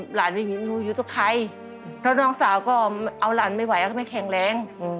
หลานไม่รู้อยู่กับใครเพราะน้องสาวก็เอาหลานไม่ไหวก็ไม่แข็งแรง